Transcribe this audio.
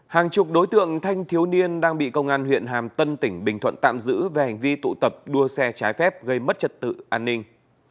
hàng chục đối tượng thanh thiếu niên đang bị công an huyện hàm tân tỉnh bình thuận tạm giữ về hành vi tụ tập đua xe trái phép gây mất trật tự an ninh